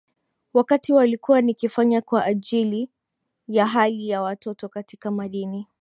wakati walikuwa nikifanya kwa ajili ya hali ya watoto katika madini